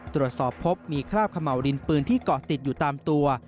ตรวจสอบพบมีคราบเขม่าวดินปืนที่เกาะติดอยู่ตามตัว